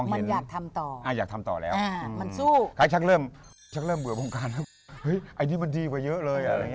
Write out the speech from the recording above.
มินอยากทำต่ออยากทำต่อแล้วมันชั่วครั้งเริ่มเบื่อองค์การอ่ะให้อันนี้มันดีเบื่อเยอะเลย